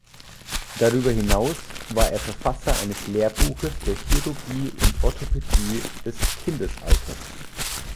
Darüber hinaus war er Verfasser eines Lehrbuches der Chirurgie und Orthopädie des Kindesalters.